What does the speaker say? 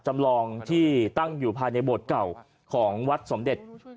จำลองที่ตั้งอยู่ภายในโบสถ์เก่าของวัดสมเด็จ